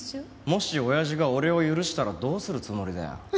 もし親父が俺を許したらどうするつもりだよ？